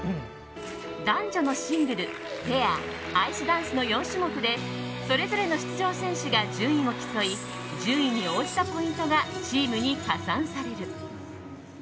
男女のシングルペア、アイスダンスの４種目でそれぞれの出場選手が順位を競い順位に応じたポイントがチームに加算される。